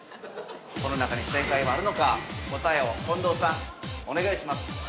◆この中に正解はあるのか答えを近藤さん、お願いします。